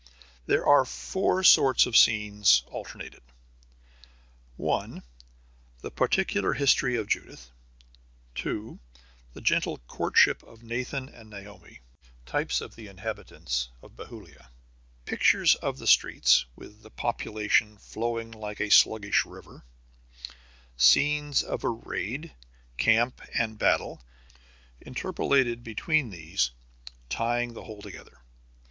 There are four sorts of scenes alternated: (1) the particular history of Judith; (2) the gentle courtship of Nathan and Naomi, types of the inhabitants of Bethulia; (3) pictures of the streets, with the population flowing like a sluggish river; (4) scenes of raid, camp, and battle, interpolated between these, tying the whole together.